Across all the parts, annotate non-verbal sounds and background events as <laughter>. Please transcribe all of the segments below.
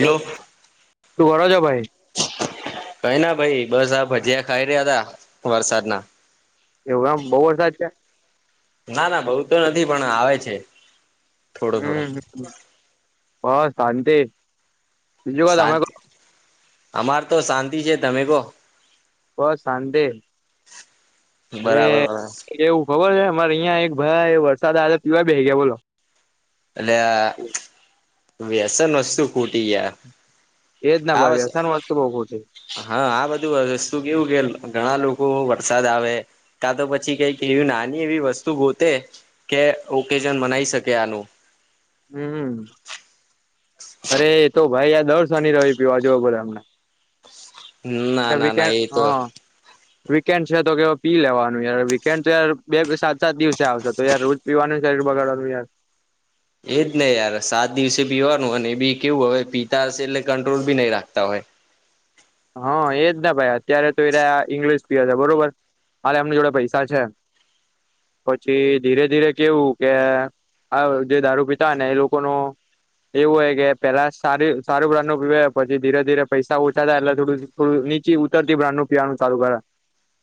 શું કરો છો ભાઈ કઈના ભાઈ બસ આ ભજીયા ખાઈ રહ્યા તા વરસાદના. એવું એમ બહુ વરસાદ જ છે. ના ના બઉુ તો નથી, પણ આવે છે. થોડો થોડો હમ્મ. બસ શાંતિ? બીજું ક તમે કો? શાંતિ. અમાર તો શાંતિ છે. તમે કોહ? બહુ શાંતિ. અરે! બરાબર બરાબર એવું ખબર છે. અમારે અહિયાં એક ભાઈ વરસાદ આવે પીવા બેહી ગયા બોલો? એટલે આ વ્યસન વસ્તુ ખૂટી ગયા. એજ ના આ ભાવી. વસ વ્યસન વાસ્તુ બઉુ ખોટી? હા આ બધું વસ્તુ કેવું કે ઘણા લોકો વરસાદ આવે કા તો પછી કંઈક એવી નાની એવી વસ્તુ ગોતે કે ઓકેઝન મનાઈ શકે આનું હમ્મ અરે એ તો ભાઈ આ દર શનિ રવિ પીવા જઉં પડે ઍમને. ના ઍ ના ના વિકેન્ડ એ હ. તો વીકેન્ડ છે તો કે હવૅ પી લેવાનું યાર વીકેન્ડ તો યાર બે સાત સાત દિવસે આવશે તો યાર રૉજ પીવાનુ શરીર બગાડવાનું યાર. એજ ને યાર સાત દિવસે પીવાનું અને એ બી કેવું હવે પીતા હશે એટલે કંટ્રોલ બી નહીં રાખતા હોય. હ એજ ને ભાઈ અત્યારે તો એ રયા ઇંગ્લિશ પીવે છે બરોબર. હાલ એમની જોડે પૈસા છે પછી ધીરે ધીરે કેવું કે આવ જે દારૂ પિતા ને એ લોકોનો એવું હોય કે પેલા સારી સારું બ્રાન્ડનું પીવે પછી ધીરે ધીરે પૈસા ઓછા થાય એટલે થોડું થોડું નીચી ઉતર થી બ્રાન્ડ નું પીવાનું ચાલુ કરે.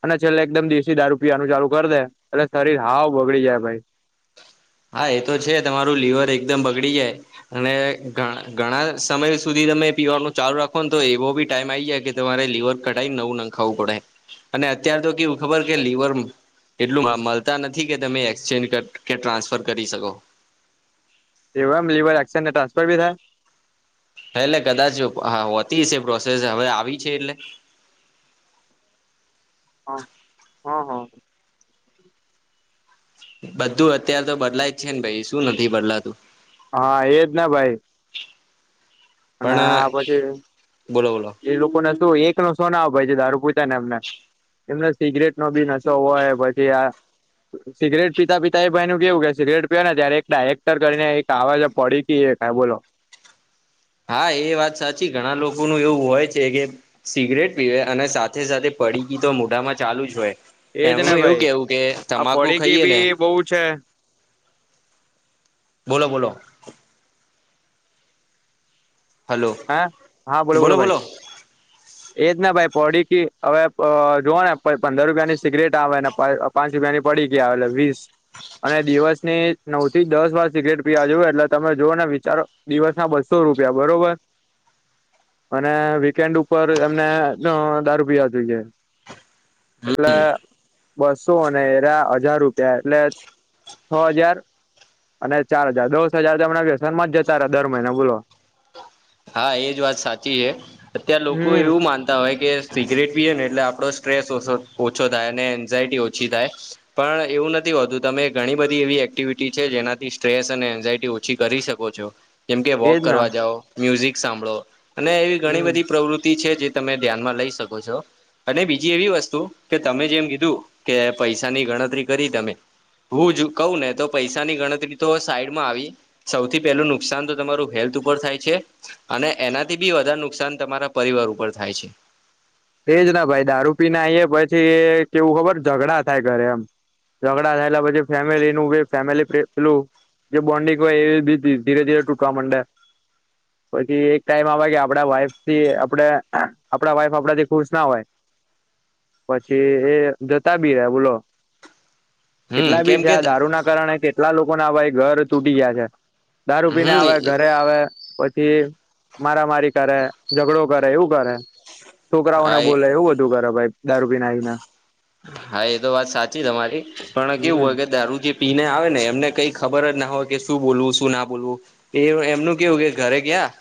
અને છેલ્લે એકદમ દેશી દારૂ પીવાનુ ચાલુ કર દે એટલે શરીર હાવ બગડી જાય ભાઈ. હા એ તો છે તમારું લીવર એકદમ બગડી જાય. અને ધણ ઘણા સમય સુધી તમે પીવા નુ ચાલુ રાખો ને તો એવો બી ટાઈમ આવી જાય કે તમારે લીવર કઠાઈને નવું નખાવું પડે અને અત્યારે તો કેવુ ખબર કે લીવર એટલું મ મળતા નથી કે તમે એક્સચેન્જ કર કે ટ્રાન્સફર કરી શકો. એવુ એમ લિવર એક્ષેન્જ ને ટ્રાન્ફર બી થાય? હા એટલે કદાચ હા હોતી હશે પ્રોસેસ હવે આવી છે એટલે હા હ હ. બધું અત્યારે તો બદલાય જ છે ને ભાઈ શું નથી બદલાતું. હા એજ ને ભાઈ. અને પણ આ પછી બોલો બોલો એ લોકોને શુ એક નો સોના ભાઈ અપાય જે દારૂ પીતા હોય ને એમને એમને સિગરેટ નો બી નશો હોય પછી આ સિગરેટ પીતા પીતા એ ભાઈ નું કેવું કે સિગરેટ પીવેને ત્યારે એક ડાયરેક્ટર કરીને એક આવે છે પડી પીએ તા બોલો. હા એ વાત સાચી ઘણા લોકોનું એવું હોય છે કે સિગરેટ પીવે અને સાથે સાથે પડીકી તો મોઢામાં ચાલુ જ હોય. એજ ને એમનું એવું ભાઈ કેવું કે આ તમાકુ પડીકી ખઈએ ને બી બહુ છે બોલો બોલો. હલો હા હા બોલો બોલો ભાઈ. એજ ને ભાઈ પડીકી હવે પ અહ જોવો ને પંદર રૂપિયા ની સિગરેટ આવે ને પડ અહ પાંચ રૂપિયા ની પડીકી આવે એટલે વીસ અને દિવસની નવ થી દસ વાર સિગરેટ પીવા જોવે એટલે તમે જોવો ને વિચારો દિવસ ના બસ્સો રૂપિયા બરોબર. અને વીકેન્ડ ઉપર એમને ન દારૂ પીવા જોઈએ. એટલે. બસ્સો અને <unintelligible> હજાર રૂપિયા એટલે છ હજાર. અને ચાર હજાર દસ હજાર તો એમને વ્યસન માં જતા રહ્યા દર મહિને બોલો. હા એજ વાત હે અત્યારે લોકો હમ એવું માન તા હોય કે સિગરેટ પીએ ને એટલે આપડો સ્ટ્રેસ ઓછો થાય અને એન્ઝાયટી ઓછી થાય. પણ એવું નથી હોતું તમે ઘણી બધી એવી એક્ટિવિટી છે જેનાથી સ્ટ્રેસ અને એન્ઝાયટી ઓ છી કરી શકો છો. જેમકે વોક એજ ના કરવા જાવ મ્યુઝિક સાંભળો અને એવી ઘણી બધી હમ પ્રવૃત્તિ છે જે. તમે ધ્યાનમાં લઈ શકો છો. અને બીજી એવી વસ્તુ કે તમે જેમ કીધું કે પૈસાની ગણતરી કરી તમે. હું જ કઉ ને તો પૈસા ની ગણતરી તો સાઈડ માં આવી. સૌથી પેલું નુકસાન તમારૂ હેલ્થ ઉપર થાય છે. અને એનાથી બી વધધારે નુકસાન તમારા પરિવાર ઉપર થાય છે. એજ ના ભાઈ દારૂ પી ને આવીએ નાઈ પછી કેવું ખબર ઝઘડા થાય ઘરે એમ. ઝઘડા થાય પછી ફેમિલી ન ફેમિલી પેલું. જે બોન્ડિંગ હોય એ બી ધીરે ધીરે તૂટવા માંડે. પછી એક ટાઈમ આવે કે આપડા વાઇફ થી આપણે આપણા વાઈફ આપડાથી. ખુશ ના હોય પછી એ જતા બી રહે બોલો. હમ કેટલા બી કેમ છે કે આ દારૂ ના કારણે. કેટલા લોકો ના હ ઘર તૂટી ગયા છે દારૂ પીને હમ આવે ઘરે આવે પછી. મારામારી કરે ઝઘડો કરે એવું કરે છોકરાઓને હા એ બોલે એવું બધું કરે ભાઈ. દારૂ પીને આવીને હા એ તો વાત સાચી તમારી પણ કેવું હમ હોય કે દારૂજે. પીને આવે ને એમને કઈ ખબર જ ના હોય કે શું બોલવું શું ના બોલવું. એ એમનું કેવું કે ઘરે ગયા.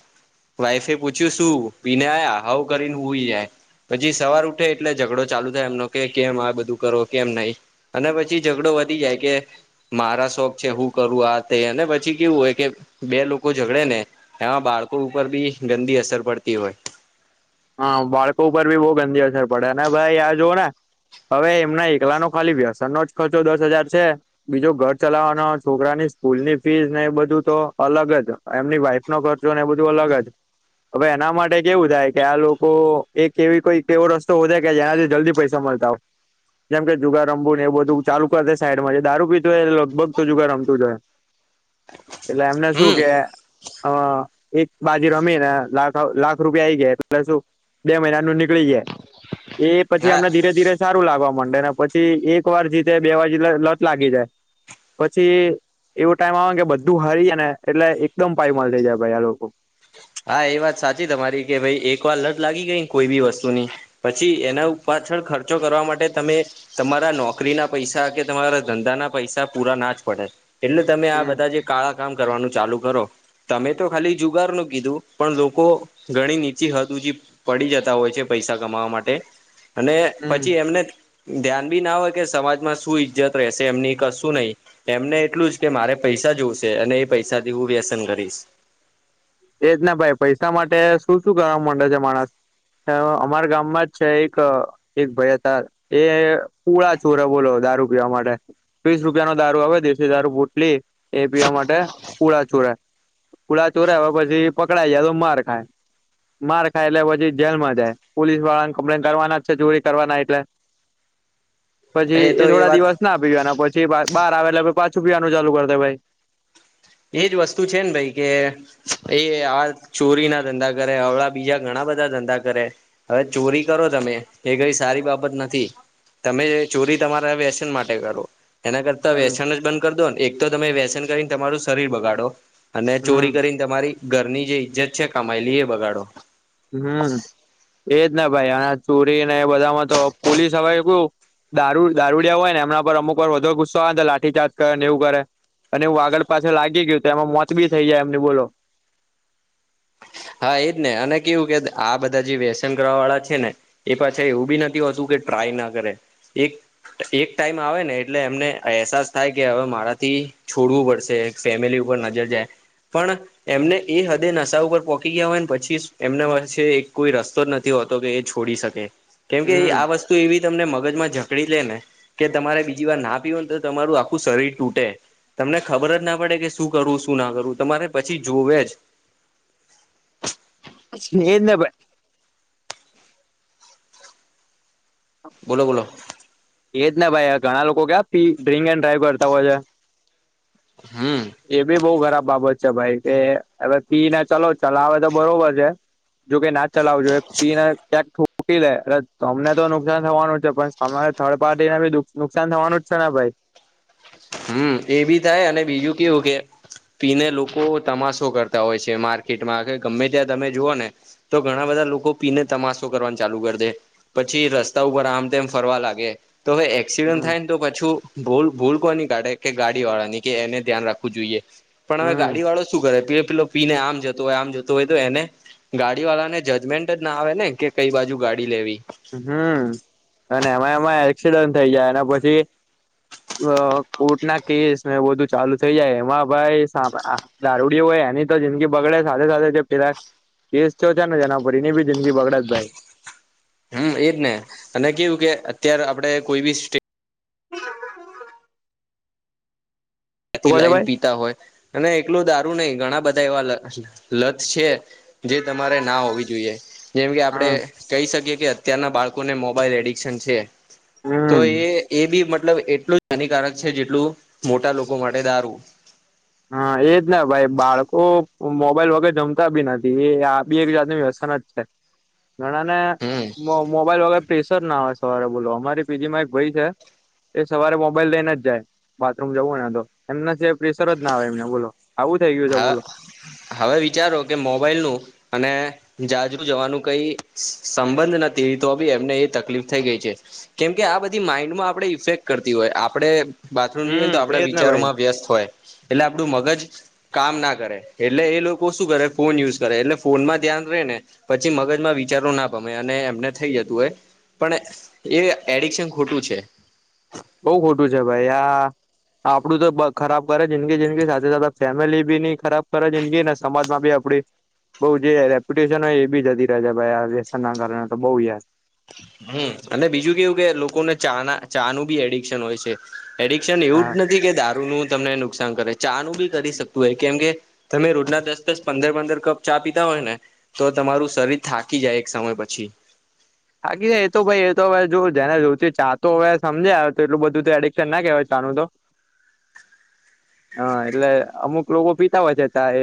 વાઈફે પૂછ્યું શું પીને આ્યા હ કરીને હુંઈ જાય. પછી સવાર ઉઠે એટલે ઝઘડો. ચાલુ થાય એમનો કે કેમ આ બધું કરો કેમ નહી અને પછી ઝઘડો વધી જાય કે, મારા શોખ છે હું કરું ને આ તે અને પછી કેવું હોય કે બે લોકો ઝગડે ને. એમાં બાળકો ઉપર બી ગંદી અસર પડતી હોય. હા બાળકો ઉપર બી બહુ ગંદી અસર પડે ને ભાઈ આ જોઓ ને. હવે એમના એકલા નો ખાલી વ્યસન નો જ ખર્ચો દસ હજાર છે. બીજો ઘર ચલાવવાનો છોકરાની સ્કૂલ ની ફીસ ને એ બધું તો અલગ જ. એમની વાઈફ નો ખર્ચોને એ બધું અલગ જ. હવે એના માટે કેવું થાય. કે આ લોકો એક એવી કોઈક એવો રસ્તો હો જ કે જેના થી જલ્દી પૈસા મળતા હો. જેમ કે જુગાર રમવું ને એવ બધું ચાલુ કરશેે સાઈડમાં દારૂ પીધુંય એ લગભગ તો જુગાર રમતું જ હોય. <inaudible> એટલે એમને શું હમ કે એક બાજીુ રમીને લાખ લાખ રૂપિયા આઈ ગયા. એટલે શું બે મહિના નું નીકળી જાય. એ પછી હા અમને ધીરે ધીરે સારું લાગવા માંડે ને પછી એક વાર જીતે બે વાર જી લત લાગી જાય. પછી એવું ટાઈમ આવે ને કે બધું હરી જાય ને એટલે એકદમ પાયમાલ થઈ જાય ભાઈ આ લોકો. હા એ વાત સાચી તમારી કે ભાઈ એક વાર ન જ લાગી ગઈ કોઈ બી વસ્તુ ની. પછી એના પાછળ ખર્ચો કરવા માટે તમે. તમારા નોકરી ના પૈસા કે તમારા ધંધા ના પૈસા પૂરા ના જ પડે. એટલે તમે આ હમ બધા જે કાળા કામ કરવાનું ચાલુ કરો તમે તો ખાલી જુગાર નું. કીધું પણ લોકો ઘણી નીચી હદ હુંધી પડી જતા હોય છે પૈસા કમાવા માટે અને હમ પછી એમને ધ્યાન બી ના હોય કે સમાજમાં શું ઈજ્જત રહેશે એમની કશું નહી. એમને એટલું જ કે મારે પૈસા જોવશે અને એ પૈસાથી હું વ્યસન કરીશ. એજ ને ભાઈ પૈસા માટે શું શું કરવા માંડે છે માણસ. તેવ અમારા ગામમાં જ છે એક એક ભાઈ હતા, એ પુળા ચોર બોલો દારૂ પીવા માટે. વીસ રૂપિયાનો દારૂ આવે દેશી દારૂ બુટલી એ પીવા માટે પુળા ચોરે, પુળા ચોરા હો પછી પકડાઈ જાય તો માર ખાય. માર ખાય એટલે પછી જેલમાં જાય, પોલીસ વાળાને કમ્પ્લેન કરવાના જ છે ચોરી કરવાના એટલે. <inaudible> પછી એ થોડા દિવસ ના પીવાના પછી બહાર બાર આવે એટલે પહ્ પાછું પીવાનું ચાલુ કરતા દે ભાઈ. એજ વસ્તુ છે ને ભાઈ કે એ આ ચોરીના ધંધા કરે, હવળા બીજા ઘણા બધા ધંધા કરે હવે ચોરી કરો તમે એ કઈ સારી બાબત નથી તમે જે ચોરી તમારા વ્યસન માટે કરો એના કરતા હમ વ્યસન જ બંધ કર દો ને, એક તો તમે વ્યસન કરીને તમારું શરીર બગાડો, અને ચોરી હમ કરીને તમારી ઘરની જે ઈજ્જત છે કમાયલી એ બગાડો હમ, એજ ને ભાઈ આ ચોરી ને એ બધામાં તો પોલીસ હવે કેવું દારૂ દારૂડીયા હોય ને એમના પર અમુક વાર વધો ગુસ્સો આવે ને લાઠી ચાર્જે કરે ને એવું કરે. અને હું આગળ પાછળ લાગી ગયું તો એમાં મોત બી થઈ જાય એમને બોલો! હા, એજને અને કેવું કે આ બધા જે વ્યસન કરવા વાળા છે ને એ પાછા એવું બી નથી હોતું કે ટ્રાય ના કરે એક એક ટાઈમ આવે ને એટલે એમને અહેસાસ થાય કે હવે મારાથી છોડવું પડશે. ફેમિલી ઉપર નજર જાય પણ એમને એ હદે નશા ઉપર પોચી ગયા હોય ને પછી સુ એમના પાસે એક કોઈ રસ્તો જ નથી હોતો કે એ છોડી શકે. કેમ કે હમ આ વસ્તુ એવી તમને મગજમાં જકડી લે ને કે તમારે બીજી વાર ના પીવું ને તો તમારું આખું શરીર તૂટે તમને ખબર જ ના પડે કે શું કરવું, શું ના કરવું તમારે પછી જોવે જ એજ ને ભાઈ. બોલો, બોલો. એજ ને ભાઈ આ ઘણા લોકો ક્યા પી ડ્રિંક એન્ડ ડ્રાઈવ કરતા હોય છે હમ. એ બી બઉ ખરાબ બાબત છે ભાઈ કે હવે પી ને ચલો ચલાવે તો બરોબર છે જોકે નાજ ચલાવુ જોયે પી ને ક્યાક થોક મૂકી લે અરે તમને તો નુકસાન થવાનું જ છે પણ સામે વારી થર્ડ પાર્ટીને ભી નુક-નુકસાન થવાનું જ છે ને ભાઈ. હમ, એ બી થાય અને બીજું કેવું કે પીને લોકો તમાસો કરતા હોય છે માર્કેટમાં કે ગમે ત્યાં તમે જુઓ ને તો ઘણા બધા લોકો પીને તમાસો કરવાનું ચાલુ કર દે પછી રસ્તા ઉપર આમ તેમ ફરવા લાગે, તો હવે એ ક્સિડન્ટ હમ થાય ને તો પાછું ભૂલ ભૂલ કોની કે ગાડી વાળા ની કે એને ધ્યાન રાખવું જોઈએ પણ હવે હમ ગાડી વાળો શું કરે પીલો પિલો પીને આમ જતો ઓય, આમ જતો ઓય તો એને ગાડી વાળા ને જજમેન્ટ જ ના આવે ને કે કઈ બાજુ ગાડી લેવી હમ, અને એમાં એમાં એક્સિડન્ટ થઇ જાય અને પછી અ કોર્ટના કેસ ને એવું બધું ચાલુ થઈ જાય એમાં ભાઈ સાભ આ દારૂડીઓ હોય એની તો જિંદગી બગડે સાથે સાથે જે પેલા કેસ તો છે ને જેના પરીને બી જિંદગી બગડેજ ભાઈ. હમ્મ એજ ને અને કેવું કે અત્યારે આપડે કોઈ બી સ્ટ હમ થી કહો છો લાઈન ભાઈ પીતા હોય અને એટલું દારૂ નહિ ઘણા બધા એવા અહ લથ છે જે તમારે ના હોવી જોઈએ જેમ કે આપડે હા કહી શકીએ કે અત્યારના બાળકોને મોબાઈલ એડિક્શન છે તો હમ એ એ બી મતલબ એટલું જ હાનિકારક છે જેટલું મોટા લોકો માટે દારું. હા એજને ભાઈ બાળકો મોબાઈલ વગેર જમતા બી નથી એ આ બી એક જાતની વ્યસન જ છે. ઘણાને હમ મો મોબાઈલ વગર પ્રેેશર ના હોય સવારે બોલો અમારી પી જી માં એક ભઈ છે એ સવારે મોબાઈલ લઈને જ જાય બાથરૂમ જવું હોઈને તો એમના સવારે પ્રેેશર જ ના આવે એમને બોલો. આવું થઈ ગયું છે બોલો હા હવે વિચારો કે મોબાઈલનું અને જાજુ જવાનું કઈ સંબંધ નથી તો બી એમને એ તકલીફ થઈ ગઈ છે. કેમકે આ બધી માઈન્ડમાં આપડે ઇફેક્ટ કરતી હોય આપડે બાથરૂમ જઈએ ને તો હમ આપડા એજ ભાઈ વિચારોમાં વ્યસ્ત હોય એટલે આપડું મગજ કામ ના કરે એટલે એ લોકો શું કરે ફોન યુઝ કરે એટલે ફોનમાં ધ્યાન રે ને પછી મગજમાં વિચારો ના પામે અને એમને થઈ જતું હોય. પણ એ એડિકશન ખોટું છે. બઉ ખોટું છે ભાઈ આ આપડું તો બ ખરાબ કરે જિંદગી જિંદગી સાથે સાથે આ ફેમિલી બી ની ખરાબ ખરા જિંદગી ને સમાજમાં બી આપડી બઉ જે રેપ્યુટેશન હોય એ બી જતી રહે છે ભાઈ આ વ્યસનના કારણે તો બહુ યાર. હમ્મ અને બીજું કેવું કે લોકોને ચા ના ચા નું બી એડિકશન હોય છે. એડિક્શન એવું જ હા નથી કે દારૂ નું તમને નુકસ શાન કરે ચા નું બી કરી શકતું હોય કેમ કે તમે રોજના દસ દસ પંદર પંદર કપ ચા પીતા હોય ને તો તમારું શરીર થાકી જાય એક સમય પછી. બાકી એ તો ભાઈ એ તો હવે જો જેને જોથી ચા તો હવે સમજ આવે તો એટલું બધું એડિક્શન ના કહેવાય ચાનું તો હા એટલે અમુક લોકો પીતા હોય છે ચા એ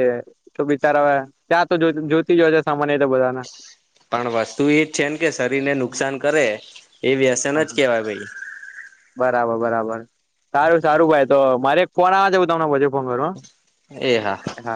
તો બિચારા આવે ચા તો જોતી જશે સામાન એ તો બધાના. પણ વસ્તુ એજ છે કે શરીરને નુકસાન કરે એ વ્યસન જ કેવાય ભઈ. બરાબર બરાબર સારું સારું ભાઈ તો મારે એક ફોન આવે છે હું તમને પછી ફોન ફોન એ હા કરું હ.